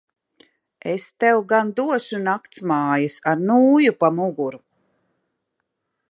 Es tev gan došu naktsmājas ar nūju pa muguru.